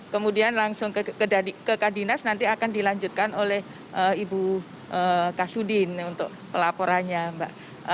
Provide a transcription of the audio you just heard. kemudian langsung ke kak dinas nanti akan dilanjutkan oleh ibu kak sudin untuk pelaporannya mbak